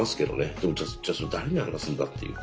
でもじゃあそれ誰に話すんだっていう。